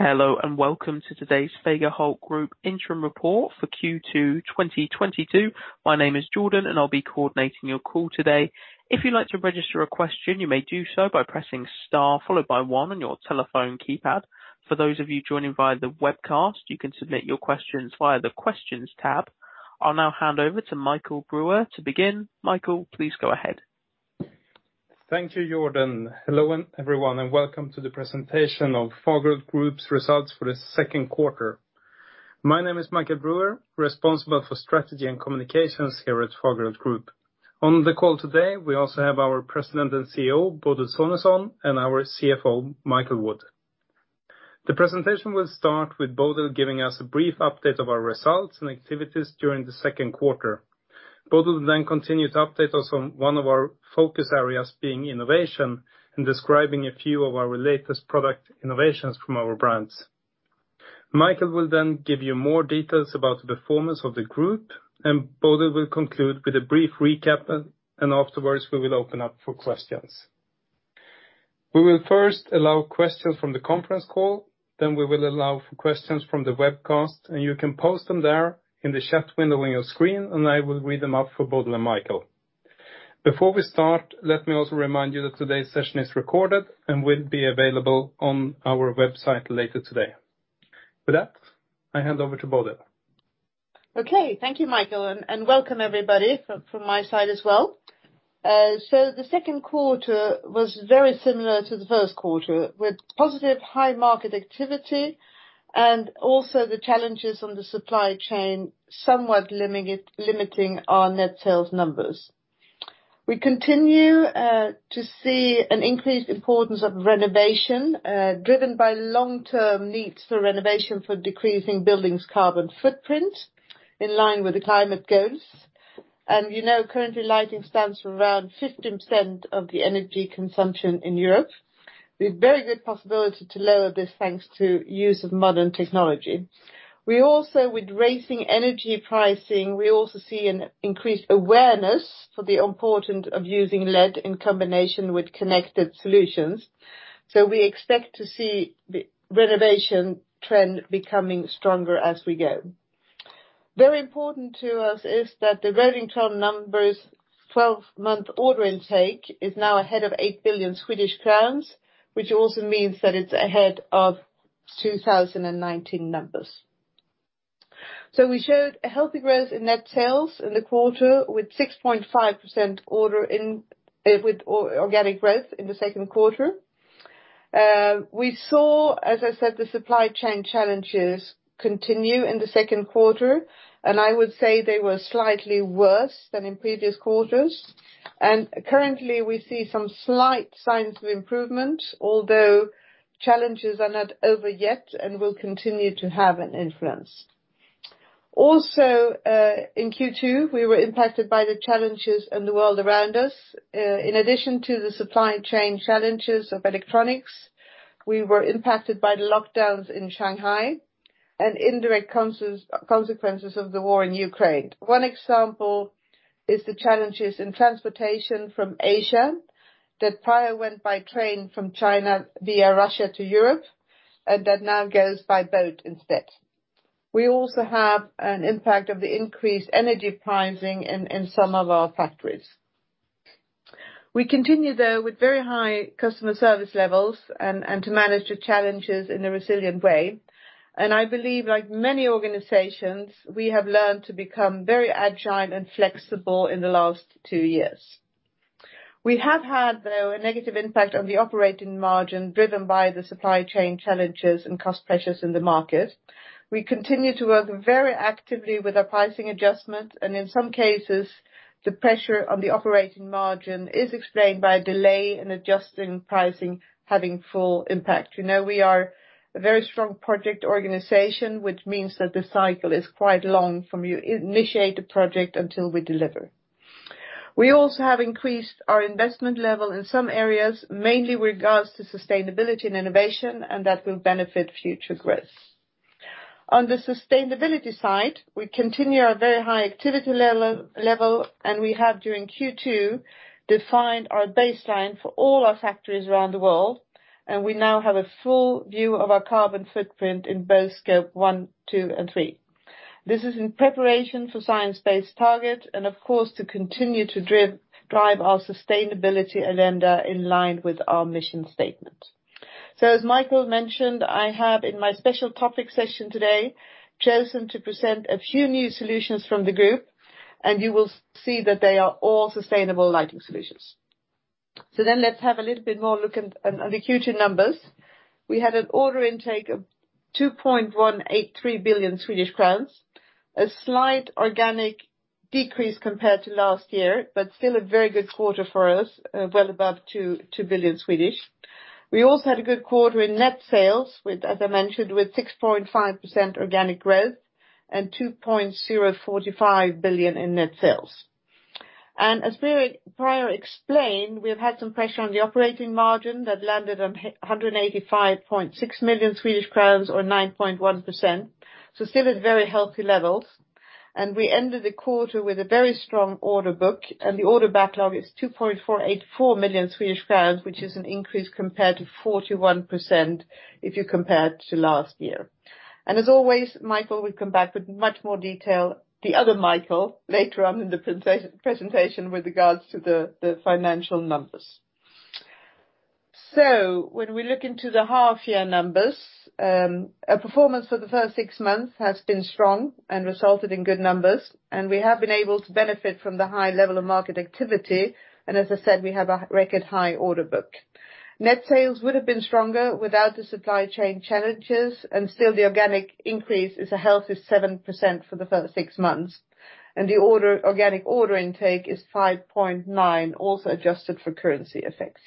Hello, and welcome to today's Fagerhult Group interim report for Q2 2022. My name is Jordan, and I'll be coordinating your call today. If you'd like to register a question, you may do so by pressing star, followed by one on your telephone keypad. For those of you joining via the webcast, you can submit your questions via the Questions tab. I'll now hand over to Michael Brüer to begin. Michael, please go ahead. Thank you, Jordan. Hello, everyone, and welcome to the presentation of Fagerhult Group's results for the second quarter. My name is Michael Brüer, responsible for strategy and communications here at Fagerhult Group. On the call today, we also have our President and CEO, Bodil Sonesson, and our CFO, Michael Wood. The presentation will start with Bodil giving us a brief update of our results and activities during the second quarter. Bodil will then continue to update us on one of our focus areas being innovation and describing a few of our latest product innovations from our brands. Michael will then give you more details about the performance of the group, and Bodil will conclude with a brief recap, and afterwards we will open up for questions. We will first allow questions from the conference call, then we will allow for questions from the webcast, and you can post them there in the chat window on your screen, and I will read them up for Bodil and Michael. Before we start, let me also remind you that today's session is recorded and will be available on our website later today. With that, I hand over to Bodil. Okay. Thank you, Michael, and welcome everybody from my side as well. The second quarter was very similar to the first quarter, with positive high market activity and also the challenges on the supply chain somewhat limiting our net sales numbers. We continue to see an increased importance of renovation driven by long-term needs for renovation for decreasing buildings' carbon footprint in line with the climate goals. You know, currently lighting stands for around 50% of the energy consumption in Europe with very good possibility to lower this, thanks to use of modern technology. We also, with rising energy pricing, see an increased awareness for the importance of using LED in combination with connected solutions. We expect to see the renovation trend becoming stronger as we go. Very important to us is that the rolling twelve numbers, 12-month order intake is now ahead of 8 billion Swedish crowns, which also means that it's ahead of 2019 numbers. We showed a healthy growth in net sales in the quarter with 6.5% order intake with organic growth in the second quarter. We saw, as I said, the supply chain challenges continue in the second quarter, and I would say they were slightly worse than in previous quarters. Currently, we see some slight signs of improvement, although challenges are not over yet and will continue to have an influence. In Q2, we were impacted by the challenges in the world around us. In addition to the supply chain challenges of electronics, we were impacted by the lockdowns in Shanghai and indirect consequences of the war in Ukraine. One example is the challenges in transportation from Asia that prior went by train from China via Russia to Europe, and that now goes by boat instead. We also have an impact of the increased energy pricing in some of our factories. We continue, though, with very high customer service levels and to manage the challenges in a resilient way. I believe, like many organizations, we have learned to become very agile and flexible in the last two years. We have had, though, a negative impact on the operating margin driven by the supply chain challenges and cost pressures in the market. We continue to work very actively with our pricing adjustment, and in some cases, the pressure on the operating margin is explained by a delay in adjusting pricing having full impact. You know, we are a very strong project organization, which means that the cycle is quite long from you initiate a project until we deliver. We also have increased our investment level in some areas, mainly with regards to sustainability and innovation, and that will benefit future growth. On the sustainability side, we continue our very high activity level, and we have, during Q2, defined our baseline for all our factories around the world, and we now have a full view of our carbon footprint in both Scope 1, 2, and 3. This is in preparation for Science Based Targets and of course to continue to drive our sustainability agenda in line with our mission statement. As Michael mentioned, I have, in my special topic session today, chosen to present a few new solutions from the group, and you will see that they are all sustainable lighting solutions. Let's have a little bit more look at the Q2 numbers. We had an order intake of 2.183 billion Swedish crowns, a slight organic decrease compared to last year, but still a very good quarter for us, well above 2 billion. We also had a good quarter in net sales with, as I mentioned, 6.5% organic growth and 2.045 billion in net sales. As we prior explained, we have had some pressure on the operating margin that landed on 185.6 million Swedish crowns or 9.1%, so still at very healthy levels. We ended the quarter with a very strong order book, and the order backlog is 2.484 million Swedish crowns, which is an increase compared to 41% if you compare it to last year. As always, Michael will come back with much more detail, the other Michael, later on in the presentation with regards to the financial numbers. When we look into the half year numbers, our performance for the first six months has been strong and resulted in good numbers, and we have been able to benefit from the high level of market activity. As I said, we have a record high order book. Net sales would have been stronger without the supply chain challenges, and still the organic increase is a healthy 7% for the first six months. The organic order intake is 5.9%, also adjusted for currency effects.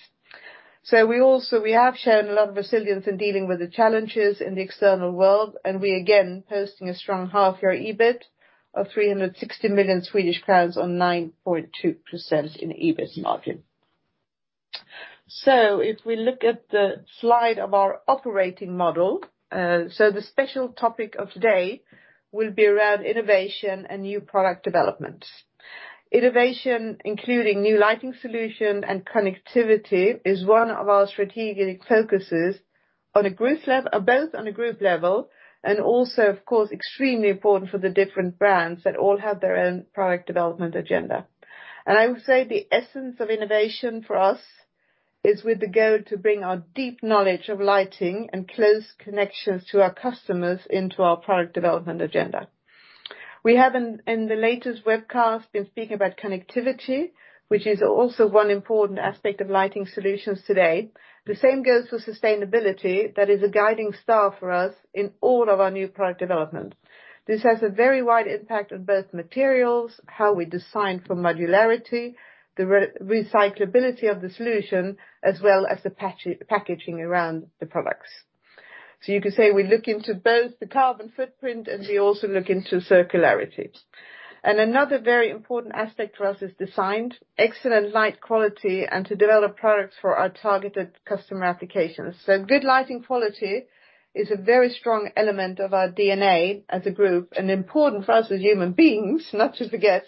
We have shown a lot of resilience in dealing with the challenges in the external world, and we again posting a strong half year EBIT of 360 million Swedish crowns on 9.2% in EBIT margin. If we look at the slide of our operating model, the special topic of today will be around innovation and new product developments. Innovation, including new lighting solution and connectivity, is one of our strategic focuses on a group level, both on a group level and also, of course, extremely important for the different brands that all have their own product development agenda. I would say the essence of innovation for us is with the goal to bring our deep knowledge of lighting and close connections to our customers into our product development agenda. We have in the latest webcast been speaking about connectivity, which is also one important aspect of lighting solutions today. The same goes for sustainability. That is a guiding star for us in all of our new product development. This has a very wide impact on both materials, how we design for modularity, the recyclability of the solution, as well as the packaging around the products. You could say we look into both the carbon footprint, and we also look into circularity. Another very important aspect for us is design, excellent light quality, and to develop products for our targeted customer applications. Good lighting quality is a very strong element of our DNA as a group and important for us as human beings. Not to forget,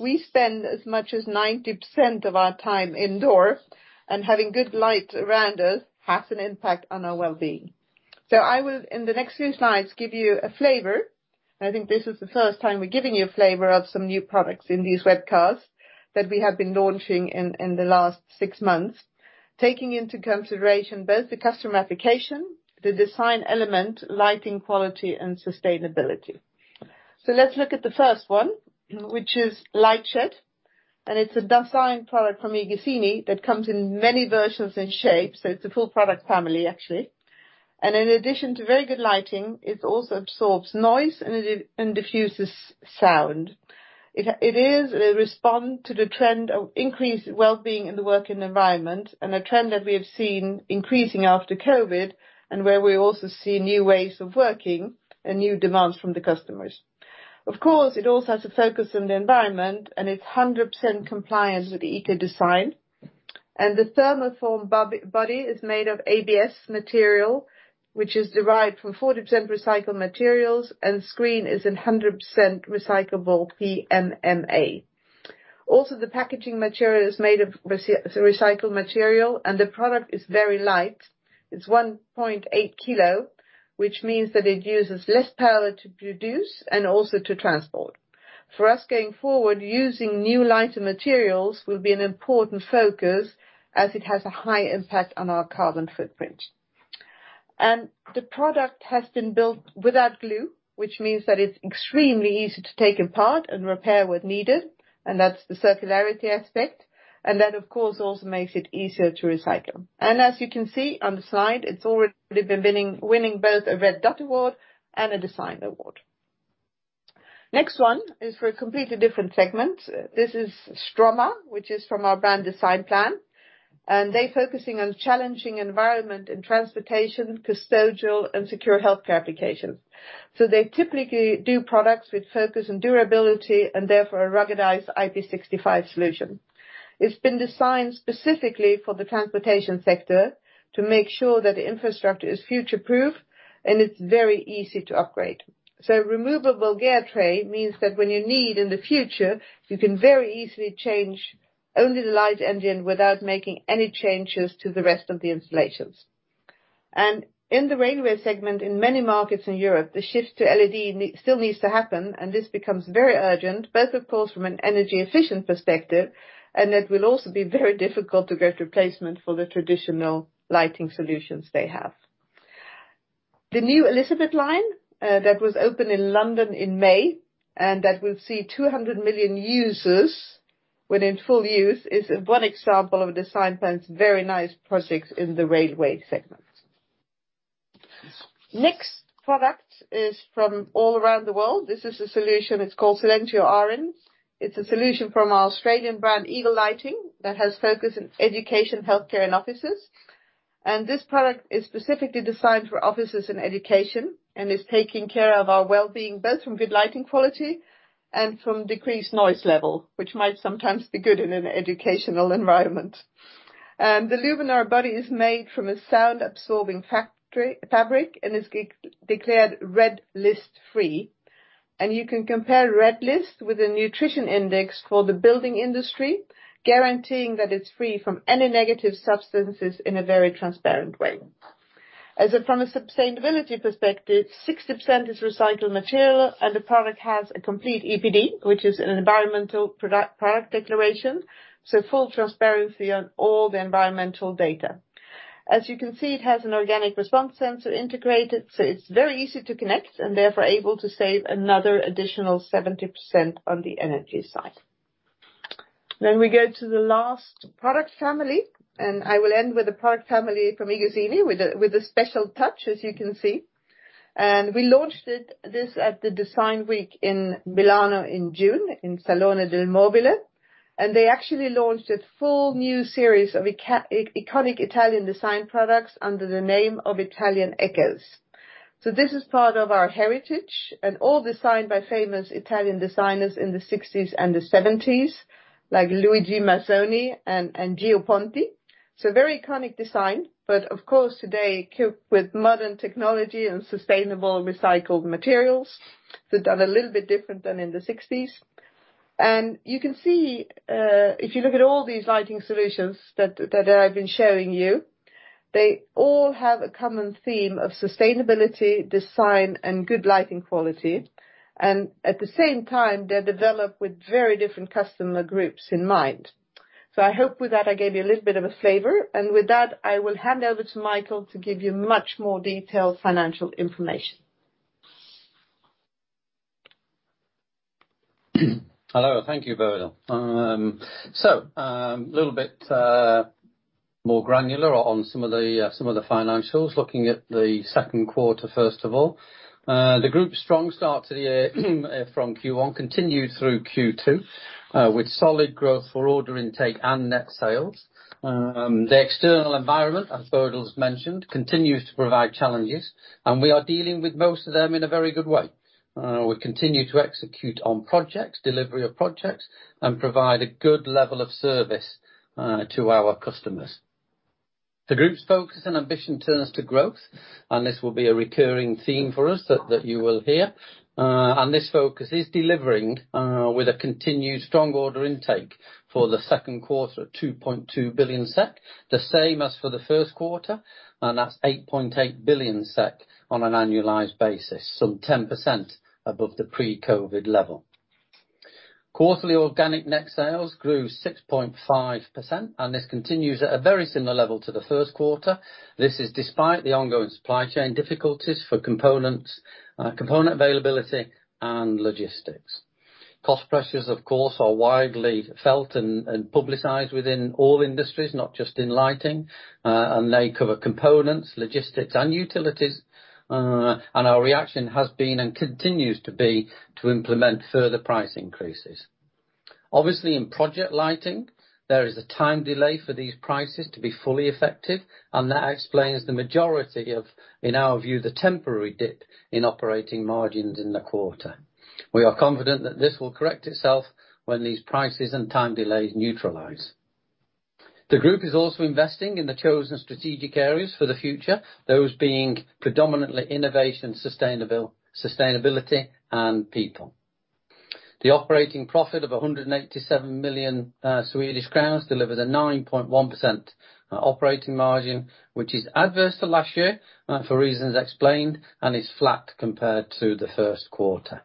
we spend as much as 90% of our time indoors, and having good light around us has an impact on our wellbeing. I will, in the next few slides, give you a flavor. I think this is the first time we're giving you a flavor of some new products in these webcasts that we have been launching in the last six months, taking into consideration both the customer application, the design element, lighting quality and sustainability. Let's look at the first one, which is Light Shed, and it's a design product from iGuzzini that comes in many versions and shapes, so it's a full product family, actually. In addition to very good lighting, it also absorbs noise and diffuses sound. It is a response to the trend of increased wellbeing in the working environment and a trend that we have seen increasing after COVID and where we also see new ways of working and new demands from the customers. Of course, it also has a focus on the environment, and it's 100% compliant with the Ecodesign. The thermoform bubble body is made of ABS material, which is derived from 40% recycled materials, and screen is in 100% recyclable PMMA. Also, the packaging material is made of recycled material, and the product is very light. It's 1.8 kg, which means that it uses less power to produce and also to transport. For us, going forward, using new lighter materials will be an important focus as it has a high impact on our carbon footprint. The product has been built without glue, which means that it's extremely easy to take apart and repair when needed, and that's the circularity aspect. That, of course, also makes it easier to recycle. As you can see on the slide, it's already been winning both a Red Dot Award and a Design Award. Next one is for a completely different segment. This is Stroma, which is from our brand Designplan, and they're focusing on challenging environment in transportation, custodial, and secure healthcare applications. They typically do products with focus on durability and therefore a ruggedized IP65 solution. It's been designed specifically for the transportation sector to make sure that the infrastructure is future-proof, and it's very easy to upgrade. Removable gear tray means that when you need in the future, you can very easily change only the light engine without making any changes to the rest of the installations. In the railway segment, in many markets in Europe, the shift to LED still needs to happen, and this becomes very urgent, both of course from an energy efficient perspective, and it will also be very difficult to get replacement for the traditional lighting solutions they have. The new Elizabeth line that was opened in London in May, and that will see 200 million users when in full use, is one example of Designplan's very nice projects in the railway segment. Next product is from all around the world. This is a solution. It's called Silentio Arron. It's a solution from our Australian brand Eagle Lighting that has focus in education, healthcare, and offices. This product is specifically designed for offices and education and is taking care of our wellbeing, both from good lighting quality and from decreased noise level, which might sometimes be good in an educational environment. The luminaire body is made from a sound-absorbing fabric and is declared Red List free. You can compare Red List with a nutrition index for the building industry, guaranteeing that it's free from any negative substances in a very transparent way. As from a sustainability perspective, 60% is recycled material and the product has a complete EPD, which is an environmental product declaration, so full transparency on all the environmental data. As you can see, it has an organic response sensor integrated, so it's very easy to connect and therefore able to save another additional 70% on the energy side. We go to the last product family, and I will end with a product family from iGuzzini with a special touch, as you can see. We launched it, this at the Design Week in Milan in June, in Salone del Mobile. They actually launched a full new series of iconic Italian design products under the name of Italian Echoes. This is part of our heritage and all designed by famous Italian designers in the sixties and the seventies, like Luigi Massoni and Gio Ponti. Very iconic design, but of course, today coupled with modern technology and sustainable recycled materials, so done a little bit different than in the sixties. You can see, if you look at all these lighting solutions that I've been showing you, they all have a common theme of sustainability, design, and good lighting quality. At the same time, they're developed with very different customer groups in mind. I hope with that, I gave you a little bit of a flavor. With that, I will hand over to Michael to give you much more detailed financial information. Hello. Thank you, Bodil. A little bit more granular on some of the financials. Looking at the second quarter, first of all. The group's strong start to the year from Q1 continued through Q2 with solid growth for order intake and net sales. The external environment, as Bodil's mentioned, continues to provide challenges, and we are dealing with most of them in a very good way. We continue to execute on projects, delivery of projects, and provide a good level of service to our customers. The group's focus and ambition turns to growth, and this will be a recurring theme for us that you will hear. This focus is delivering with a continued strong order intake for the second quarter of 2.2 billion SEK, the same as for the first quarter, and that's 8.8 billion SEK on an annualized basis, some 10% above the pre-COVID level. Quarterly organic net sales grew 6.5%, and this continues at a very similar level to the first quarter. This is despite the ongoing supply chain difficulties for components, component availability and logistics. Cost pressures, of course, are widely felt and publicized within all industries, not just in lighting. They cover components, logistics, and utilities. Our reaction has been and continues to be to implement further price increases. Obviously in project lighting, there is a time delay for these prices to be fully effective, and that explains the majority of, in our view, the temporary dip in operating margins in the quarter. We are confident that this will correct itself when these prices and time delays neutralize. The group is also investing in the chosen strategic areas for the future, those being predominantly innovation, sustainability, and people. The operating profit of 187 million Swedish crowns delivers a 9.1% operating margin, which is adverse to last year, for reasons explained, and is flat compared to the first quarter.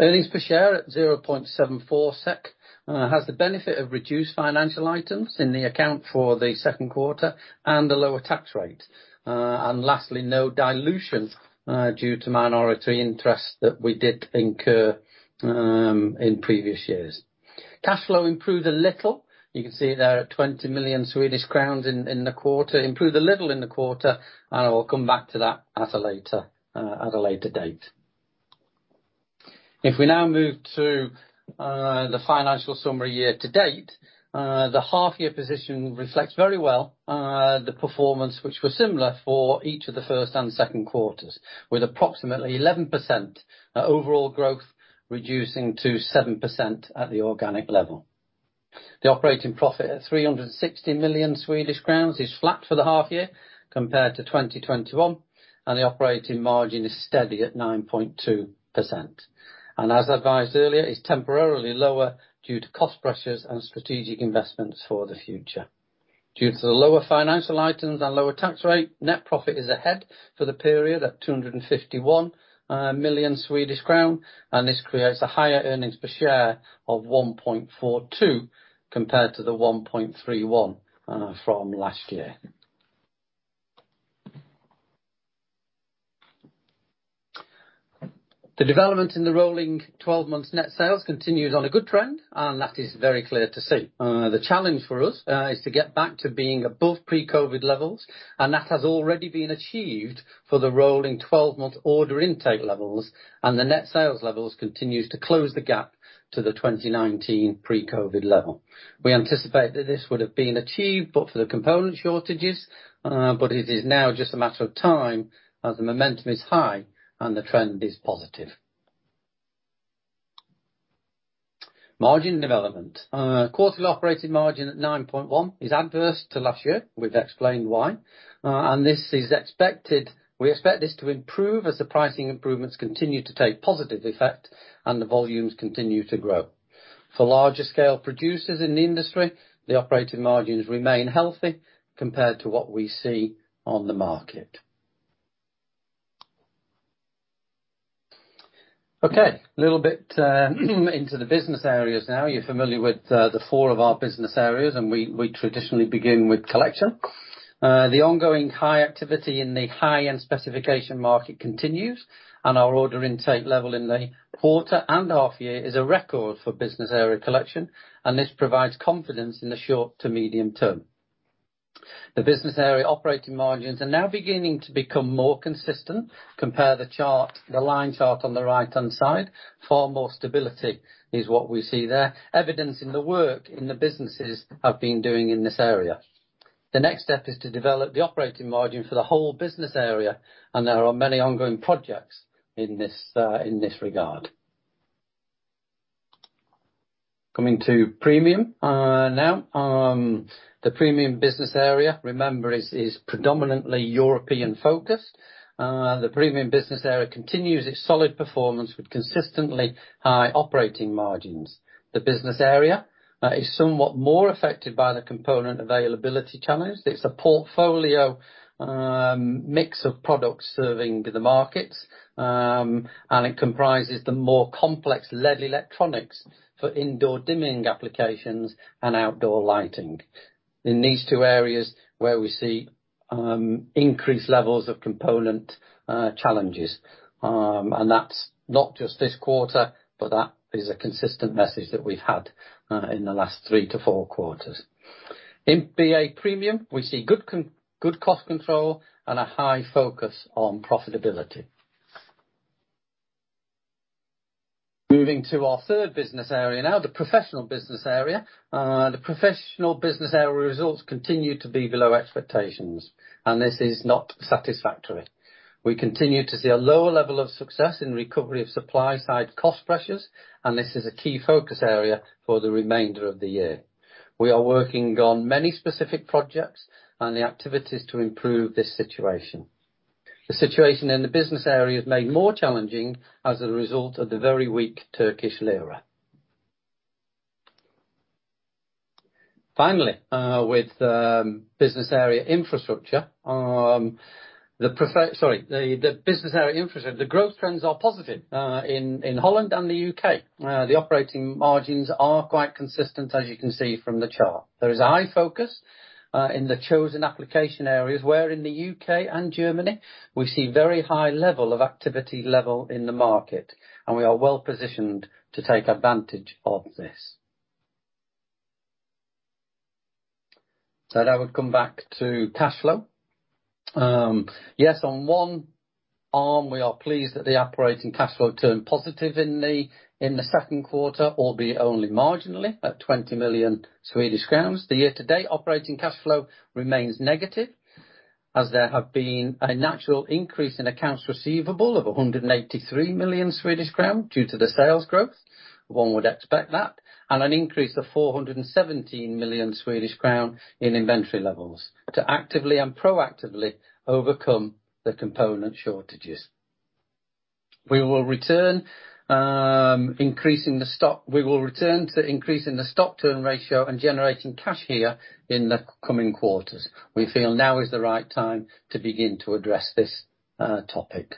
Earnings per share at 0.74 SEK has the benefit of reduced financial items in the account for the second quarter and a lower tax rate. Lastly, no dilution due to minority interest that we did incur in previous years. Cash flow improved a little. You can see there are 20 million Swedish crowns in the quarter, improved a little in the quarter, and I will come back to that at a later date. If we now move to the financial summary year to date, the half-year position reflects very well the performance which was similar for each of the first and second quarters, with approximately 11% overall growth reducing to 7% at the organic level. The operating profit at 360 million Swedish crowns is flat for the half year compared to 2021, and the operating margin is steady at 9.2%. As advised earlier, is temporarily lower due to cost pressures and strategic investments for the future. Due to the lower financial items and lower tax rate, net profit is ahead for the period at 251 million Swedish crown, and this creates a higher earnings per share of 1.42 compared to the 1.31 from last year. The development in the rolling 12 months net sales continues on a good trend, and that is very clear to see. The challenge for us is to get back to being above pre-COVID levels, and that has already been achieved for the rolling 12-month order intake levels, and the net sales levels continues to close the gap to the 2019 pre-COVID level. We anticipate that this would have been achieved but for the component shortages, but it is now just a matter of time as the momentum is high and the trend is positive. Margin development. Quarterly operating margin at 9.1% is versus last year. We've explained why, and we expect this to improve as the pricing improvements continue to take positive effect and the volumes continue to grow. For larger scale producers in the industry, the operating margins remain healthy compared to what we see on the market. Okay, little bit into the business areas now. You're familiar with the four of our business areas, and we traditionally begin with Collection. The ongoing high activity in the high-end specification market continues, and our order intake level in the quarter and half year is a record for business area Collection, and this provides confidence in the short to medium term. The business area operating margins are now beginning to become more consistent. Compare the chart, the line chart on the right-hand side. Far more stability is what we see there, evidence of the work the businesses have been doing in this area. The next step is to develop the operating margin for the whole business area, and there are many ongoing projects in this regard. Coming to Premium, now. The Premium business area, remember, is predominantly European focused. The Premium business area continues its solid performance with consistently high operating margins. The business area is somewhat more affected by the component availability challenge. It's a portfolio mix of products serving the markets and it comprises the more complex LED electronics for indoor dimming applications and outdoor lighting. In these two areas where we see increased levels of component challenges, and that's not just this quarter, but that is a consistent message that we've had in the last three to four quarters. In BA Premium, we see good cost control and a high focus on profitability. Moving to our third business area now, the Professional business area. The Professional business area results continue to be below expectations, and this is not satisfactory. We continue to see a lower level of success in recovery of supply side cost pressures, and this is a key focus area for the remainder of the year. We are working on many specific projects and the activities to improve this situation. The situation in the business area is made more challenging as a result of the very weak Turkish lira. Finally, with business area infrastructure, the growth trends are positive in Holland and the U.K. The operating margins are quite consistent, as you can see from the chart. There is high focus in the chosen application areas, where in the U.K. and Germany we see very high level of activity in the market and we are well positioned to take advantage of this. Now we come back to cash flow. Yes, on the one hand we are pleased that the operating cash flow turned positive in the second quarter, albeit only marginally at 20 million Swedish crowns. The year-to-date operating cash flow remains negative, as there have been a natural increase in accounts receivable of 183 million Swedish crown due to the sales growth. One would expect that. An increase of 417 million Swedish crown in inventory levels to actively and proactively overcome the component shortages. We will return to increasing the stock turn ratio and generating cash here in the coming quarters. We feel now is the right time to begin to address this topic.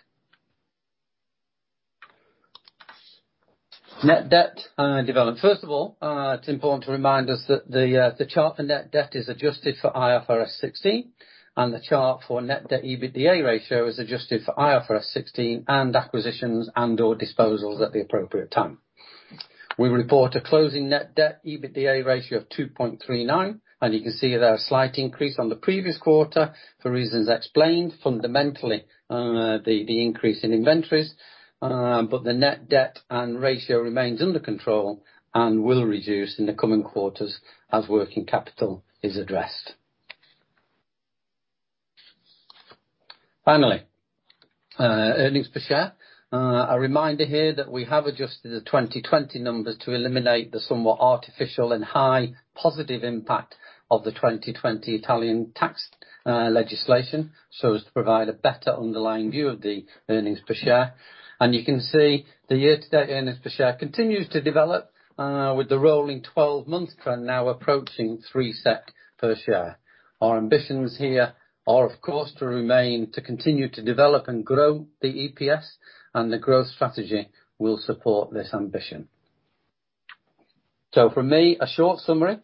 Net debt development. First of all, it's important to remind us that the chart for net debt is adjusted for IFRS 16 and the chart for net debt EBITDA ratio is adjusted for IFRS 16 and acquisitions and/or disposals at the appropriate time. We report a closing net debt/EBITDA ratio of 2.39x, and you can see there a slight increase on the previous quarter for reasons explained fundamentally, the increase in inventories, but the net debt/EBITDA ratio remains under control and will reduce in the coming quarters as working capital is addressed. Finally, earnings per share. A reminder here that we have adjusted the 2020 numbers to eliminate the somewhat artificial and high positive impact of the 2020 Italian tax legislation, so as to provide a better underlying view of the earnings per share. You can see the year-to-date earnings per share continues to develop, with the rolling twelve-month trend now approaching 3 per share. Our ambitions here are, of course, to remain, to continue to develop and grow the EPS, and the growth strategy will support this ambition. For me, a short summary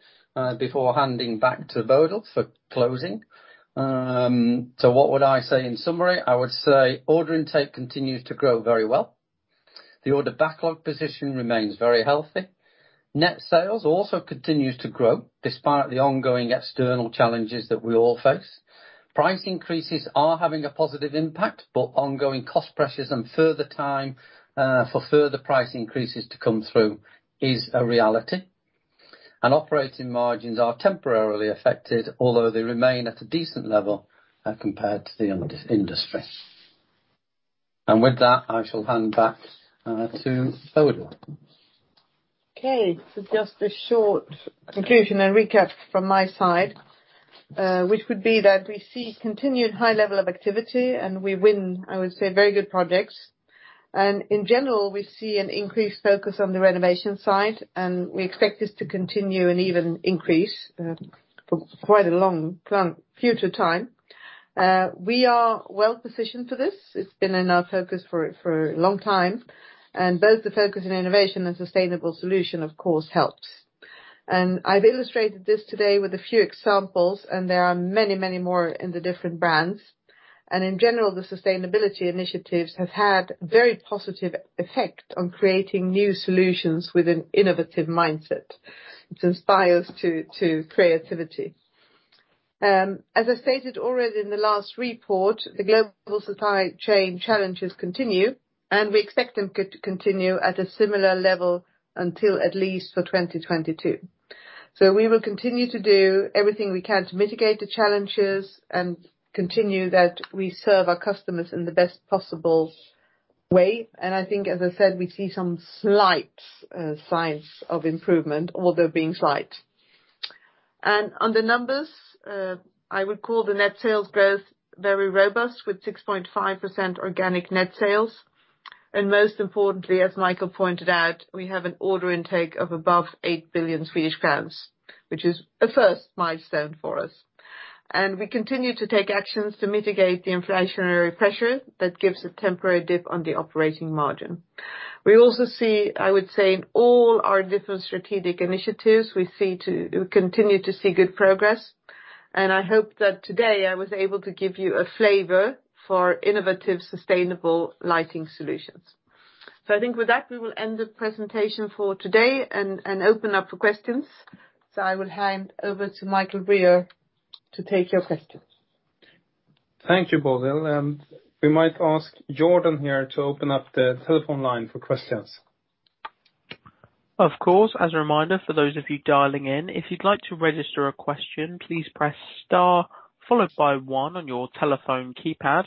before handing back to Bodil for closing. What would I say in summary? I would say order intake continues to grow very well. The order backlog position remains very healthy. Net sales also continues to grow despite the ongoing external challenges that we all face. Price increases are having a positive impact, but ongoing cost pressures and further time for further price increases to come through is a reality. Operating margins are temporarily affected, although they remain at a decent level compared to the industry. With that, I shall hand back to Bodil. Okay. Just a short conclusion and recap from my side, which would be that we see continued high level of activity and we win, I would say very good projects. In general, we see an increased focus on the renovation side, and we expect this to continue and even increase for quite a long-term future time. We are well-positioned for this. It's been in our focus for a long time, and both the focus in innovation and sustainable solution of course helps. I've illustrated this today with a few examples, and there are many, many more in the different brands. In general, the sustainability initiatives have had very positive effect on creating new solutions with an innovative mindset to inspire us to creativity. As I stated already in the last report, the global supply chain challenges continue, and we expect them to continue at a similar level until at least 2022. We will continue to do everything we can to mitigate the challenges and continue that we serve our customers in the best possible way. I think, as I said, we see some slight signs of improvement, although being slight. On the numbers, I would call the net sales growth very robust with 6.5% organic net sales. Most importantly, as Michael pointed out, we have an order intake of above 8 billion Swedish crowns, which is a first milestone for us. We continue to take actions to mitigate the inflationary pressure that gives a temporary dip on the operating margin. We also see, I would say, in all our different strategic initiatives, we continue to see good progress, and I hope that today I was able to give you a flavor for innovative, sustainable lighting solutions. I think with that, we will end the presentation for today and open up for questions. I will hand over to Michael Brüer to take your questions. Thank you, Bodil. We might ask Jordan here to open up the telephone line for questions. Of course. As a reminder, for those of you dialing in, if you'd like to register a question, please press star followed by one on your telephone keypad.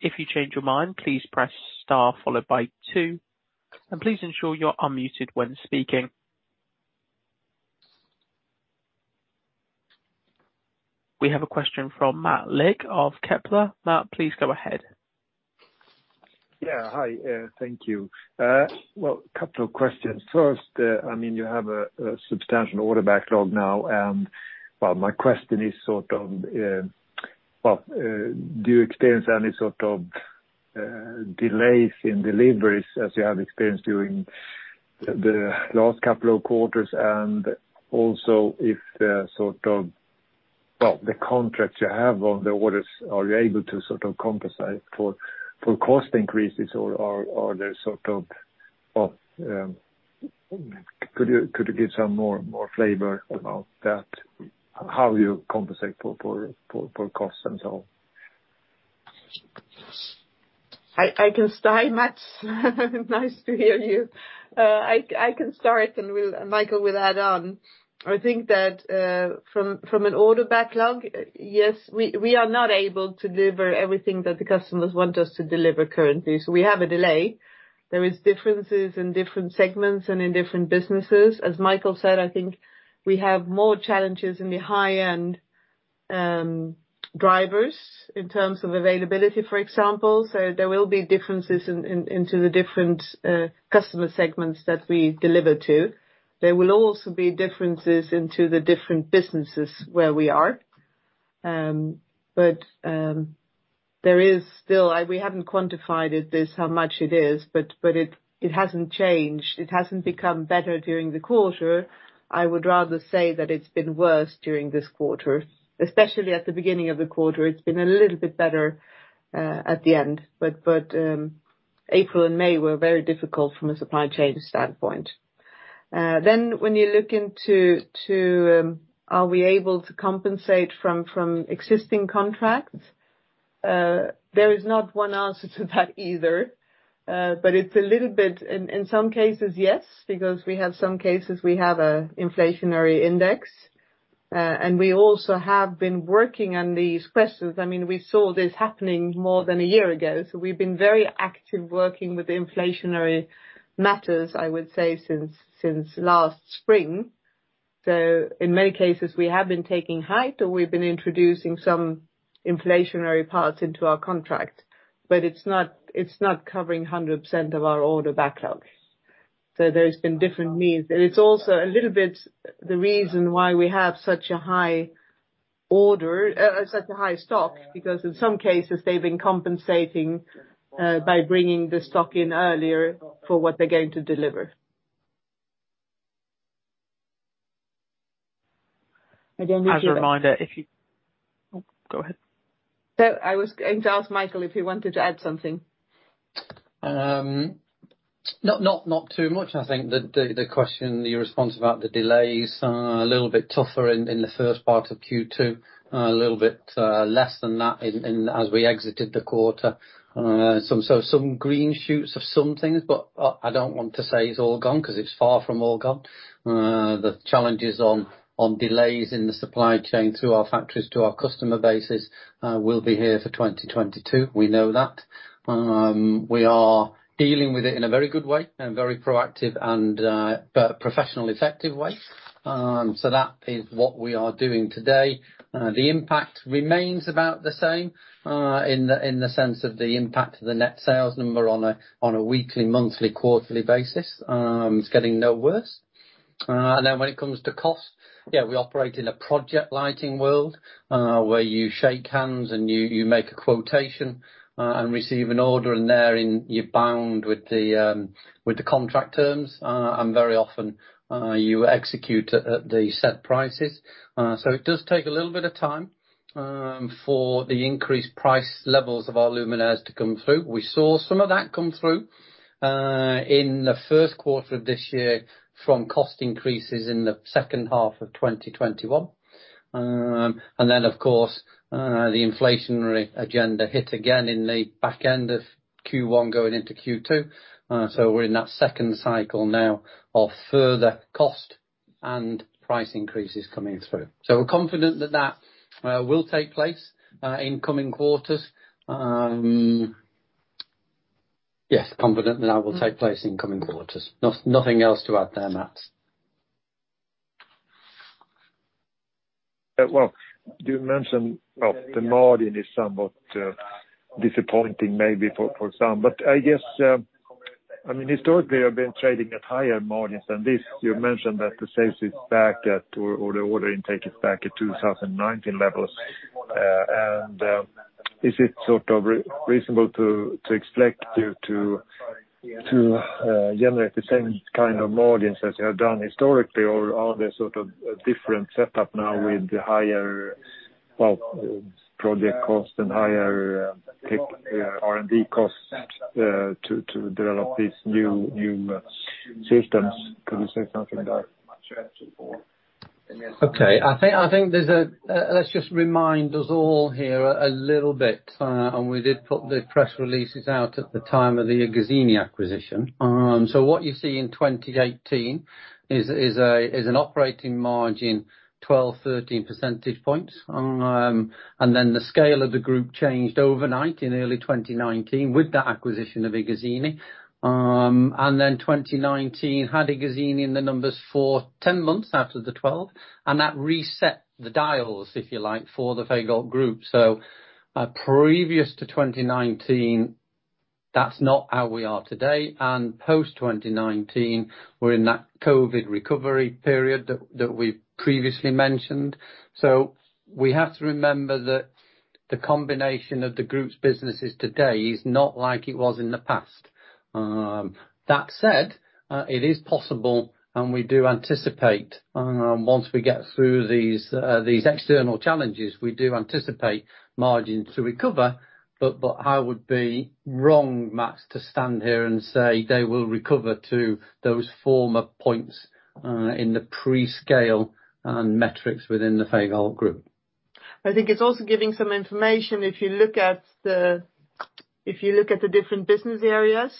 If you change your mind, please press star followed by two, and please ensure you're unmuted when speaking. We have a question from Mats Liss of Kepler Cheuvreux. Mats, please go ahead. Yeah. Hi, thank you. Well, couple of questions. First, I mean, you have a substantial order backlog now, and well, my question is sort of, well, do you experience any sort of delays in deliveries as you have experienced during the last couple of quarters? And also if there are sort of, well, the contracts you have on the orders, are you able to sort of compensate for cost increases or they're sort of, well, could you give some more flavor about that? How you compensate for cost and so on? I can start, Mats. Nice to hear you. I can start, and Michael will add on. I think that from an order backlog, yes, we are not able to deliver everything that the customers want us to deliver currently, so we have a delay. There is differences in different segments and in different businesses. As Michael said, I think we have more challenges in the high-end drivers in terms of availability, for example. There will be differences into the different customer segments that we deliver to. There will also be differences into the different businesses where we are. There is still. We haven't quantified it, this, how much it is, but it hasn't changed. It hasn't become better during the quarter. I would rather say that it's been worse during this quarter, especially at the beginning of the quarter. It's been a little bit better at the end. April and May were very difficult from a supply chain standpoint. Then when you look into, are we able to compensate from existing contracts? There is not one answer to that either, but it's a little bit. In some cases, yes, because we have an inflationary index. We also have been working on these questions. I mean, we saw this happening more than a year ago, so we've been very active working with inflationary matters, I would say, since last spring. In many cases, we have been taking heed or we've been introducing some inflationary parts into our contract. It's not covering 100% of our order backlogs. There's been different means. It's also a little bit the reason why we have such a high order, such a high stock, because in some cases they've been compensating by bringing the stock in earlier for what they're going to deliver. I don't know if you- As a reminder. Oh, go ahead. I was going to ask Michael if he wanted to add something. Not too much. I think that the question, your response about the delays are a little bit tougher in the first part of Q2, a little bit less than that in as we exited the quarter. Some green shoots of some things, but I don't want to say it's all gone, 'cause it's far from all gone. The challenges on delays in the supply chain through our factories to our customer bases will be here for 2022. We know that. We are dealing with it in a very good way and a very proactive and but professional effective way. That is what we are doing today. The impact remains about the same, in the sense of the impact of the net sales number on a weekly, monthly, quarterly basis. It's getting no worse. Now when it comes to cost, yeah, we operate in a project lighting world, where you shake hands and you make a quotation, and receive an order, and therein you're bound with the contract terms. Very often, you execute at the set prices. So it does take a little bit of time for the increased price levels of our luminaires to come through. We saw some of that come through in the first quarter of this year from cost increases in the second half of 2021. Of course, the inflationary agenda hit again in the back end of Q1 going into Q2. We're in that second cycle now of further cost and price increases coming through. We're confident that will take place in coming quarters. Yes, confident that will take place in coming quarters. Nothing else to add there, Mats. Well, you mentioned, well, the margin is somewhat disappointing maybe for some. I guess, I mean, historically, you have been trading at higher margins than this. You mentioned that the sales is back at, or the order intake is back at 2019 levels. Is it sort of reasonable to expect you to generate the same kind of margins as you have done historically, or are there sort of a different setup now with the higher, well, project costs and higher R&D costs to develop these new systems? Could you say something there? Okay. Let's just remind us all here a little bit, and we did put the press releases out at the time of the iGuzzini acquisition. What you see in 2018 is an operating margin 12-13 percentage points. The scale of the group changed overnight in early 2019 with the acquisition of iGuzzini. Then 2019 had iGuzzini in the numbers for 10 months out of the 12, and that reset the dials, if you like, for the Fagerhult Group. Previous to 2019, that's not how we are today. Post 2019, we're in that COVID recovery period that we've previously mentioned. We have to remember that the combination of the group's businesses today is not like it was in the past. That said, it is possible, and we do anticipate, once we get through these external challenges, we do anticipate margins to recover. I would be wrong, Mats, to stand here and say they will recover to those former points in the pre-scale and metrics within the Fagerhult Group. I think it's also giving some information. If you look at the different business areas,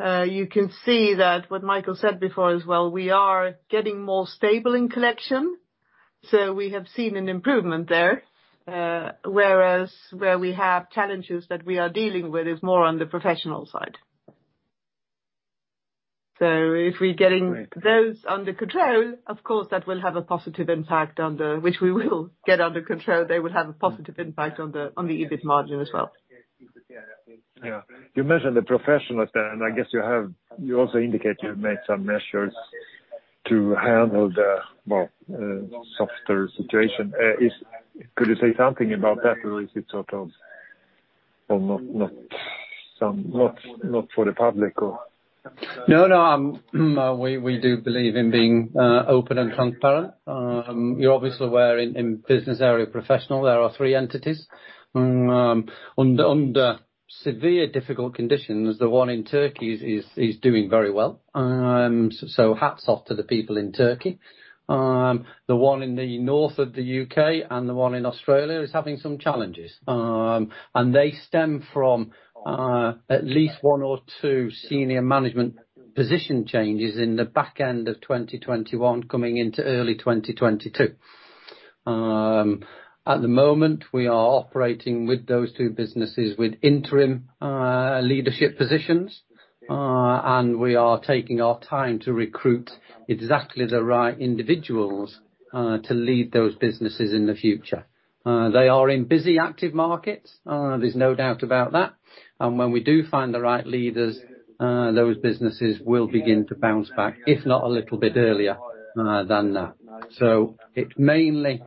you can see that what Michael said before as well, we are getting more stable in Collection, so we have seen an improvement there. Whereas where we have challenges that we are dealing with is more on the Professional side. If we're getting- Right. Those under control, of course, which we will get under control. They will have a positive impact on the EBIT margin as well. Yeah. You mentioned the Professional side, and I guess you also indicate you have made some measures to handle the, well, softer situation. Could you say something about that or is it sort of, well, not something for the public or? No, no, we do believe in being open and transparent. You're obviously aware in business area Professional, there are three entities. Under severely difficult conditions, the one in Turkey is doing very well. So hats off to the people in Turkey. The one in the north of the U.K. and the one in Australia is having some challenges. They stem from at least one or two senior management position changes in the back end of 2021 coming into early 2022. At the moment, we are operating with those two businesses with interim leadership positions, and we are taking our time to recruit exactly the right individuals to lead those businesses in the future. They are in busy, active markets, there's no doubt about that. When we do find the right leaders, those businesses will begin to bounce back, if not a little bit earlier than that. It's mainly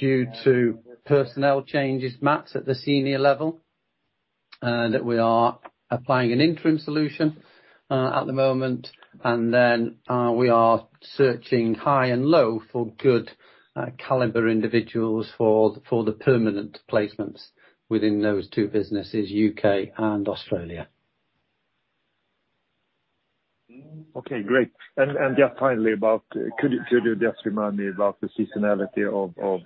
due to personnel changes, Mats, at the senior level that we are applying an interim solution. At the moment, and then we are searching high and low for good caliber individuals for the permanent placements within those two businesses, U.K. and Australia. Okay, great. Just finally, could you just remind me about the seasonality of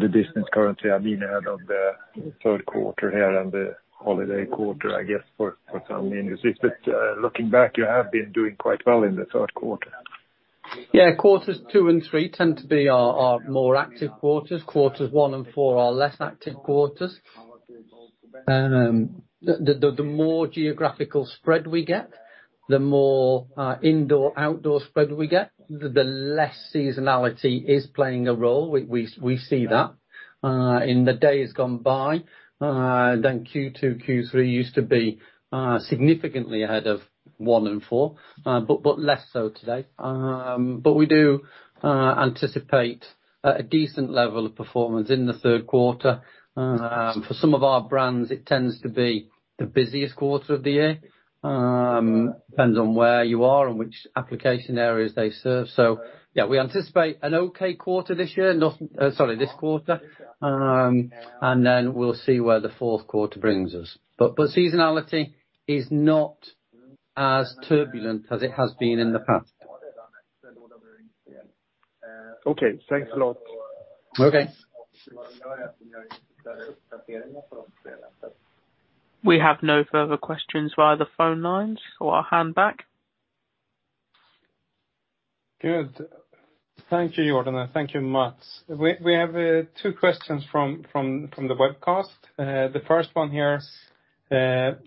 the business currently? I mean, ahead of the third quarter here and the holiday quarter, I guess, for some industries. Looking back, you have been doing quite well in the third quarter. Yeah. Quarters two and three tend to be our more active quarters. Quarters one and four are less active quarters. The more geographical spread we get, the more indoor-outdoor spread we get, the less seasonality is playing a role. We see that in the days gone by, then Q2, Q3 used to be significantly ahead of one and four, but less so today. But we do anticipate a decent level of performance in the third quarter. For some of our brands, it tends to be the busiest quarter of the year, depends on where you are and which application areas they serve. Yeah, we anticipate an okay quarter this quarter. We'll see where the fourth quarter brings us. Seasonality is not as turbulent as it has been in the past. Okay. Thanks a lot. Okay. We have no further questions via the phone lines. I'll hand back. Good. Thank you, Jordan, and thank you, Mats. We have two questions from the webcast. The first one here,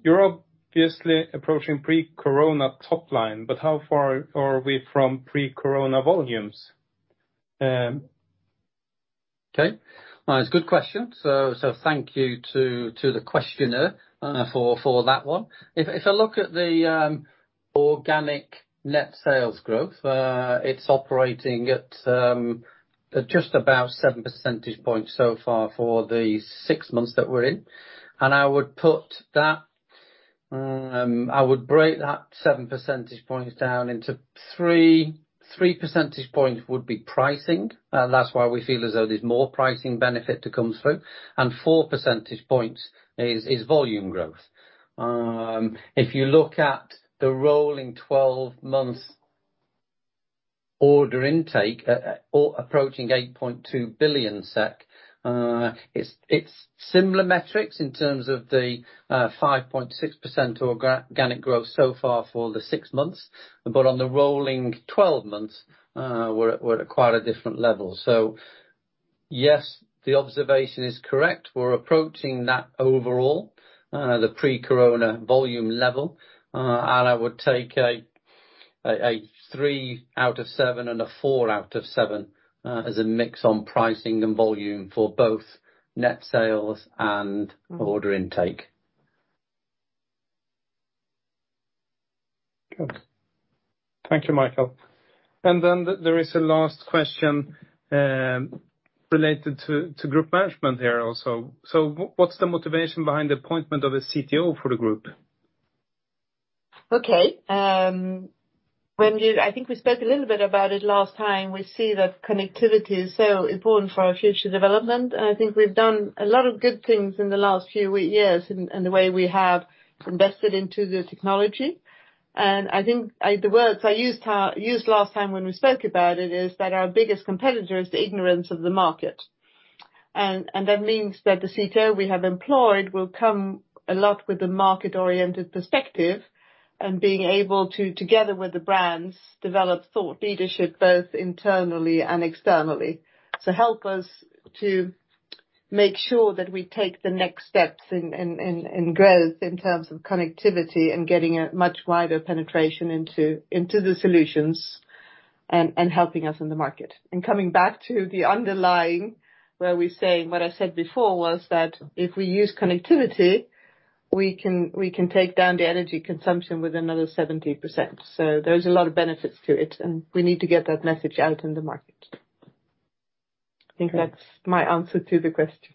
you're obviously approaching pre-corona top line, but how far are we from pre-corona volumes? Okay. It's a good question. Thank you to the questioner for that one. If you look at the organic net sales growth, it's operating at just about 7 percentage points so far for the 6 months that we're in. I would break that 7 percentage points down into 3. 3 percentage points would be pricing, that's why we feel as though there's more pricing benefit to come through. 4 percentage points is volume growth. If you look at the rolling 12 months order intake approaching 8.2 billion SEK, it's similar metrics in terms of the 5.6% organic growth so far for the six months. On the rolling 12 months, we're at quite a different level. Yes, the observation is correct. We're approaching that overall, the pre-corona volume level. I would take a three out of seven and a four out of seven as a mix on pricing and volume for both net sales and order intake. Okay. Thank you, Michael. There is a last question, related to group management here also. What's the motivation behind the appointment of a CTO for the group? I think we spoke a little bit about it last time. We see that connectivity is so important for our future development. I think we've done a lot of good things in the last few years in the way we have invested into the technology. I think the words I used last time when we spoke about it is that our biggest competitor is the ignorance of the market. That means that the CTO we have employed will come a lot with the market-oriented perspective and being able to, together with the brands, develop thought leadership both internally and externally. To help us to make sure that we take the next steps in growth in terms of connectivity and getting a much wider penetration into the solutions and helping us in the market. Coming back to the underlying, where we say, and what I said before, was that if we use connectivity, we can take down the energy consumption with another 70%. So there's a lot of benefits to it, and we need to get that message out in the market. I think that's my answer to the question.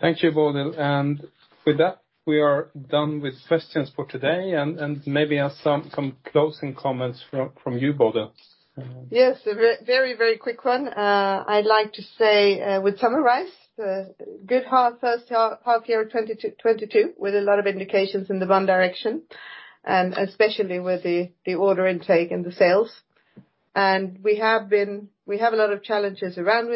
Thank you, Bodil. With that, we are done with questions for today. Maybe some closing comments from you, Bodil. Yes. A very, very quick one. I'd like to say we summarize a good first half year 2022 with a lot of indications in the one direction, and especially with the order intake and the sales. We have a lot of challenges around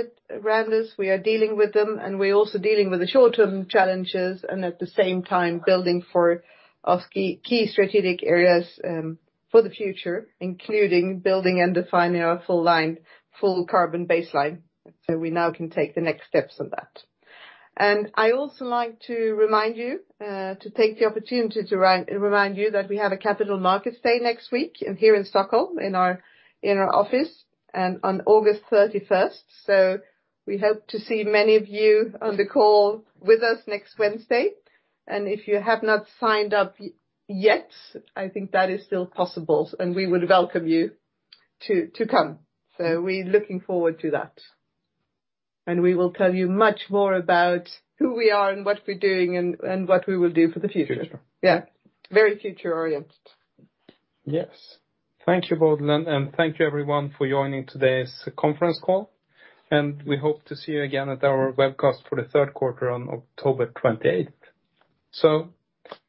us. We are dealing with them, and we're also dealing with the short-term challenges and at the same time building for our key strategic areas for the future, including building and defining our full carbon baseline, so we now can take the next steps on that. I also like to remind you to take the opportunity to remind you that we have a capital market day next week here in Stockholm, in our office, and on August 31st. We hope to see many of you on the call with us next Wednesday. If you have not signed up yet, I think that is still possible, and we would welcome you to come. We're looking forward to that. We will tell you much more about who we are and what we're doing and what we will do for the future. Future. Yeah. Very future-oriented. Yes. Thank you, Bodil, and thank you everyone for joining today's conference call. We hope to see you again at our webcast for the third quarter on October twenty-eighth.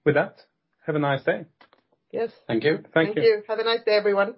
With that, have a nice day. Yes. Thank you. Thank you. Have a nice day, everyone.